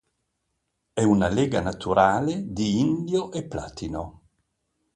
È una lega naturale di indio e platino.